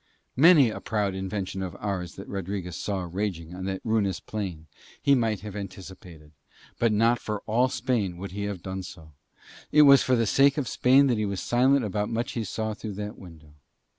Many a proud invention of ours that Rodriguez saw raging on that ruinous plain he might have anticipated, but not for all Spain would he have done so: it was for the sake of Spain that he was silent about much that he saw through that window.